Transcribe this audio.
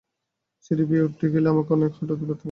সিঁড়ি বেয়ে উঠতে গেলেই আমার অনেক হাঁটুতে অনেক ব্যথা করে।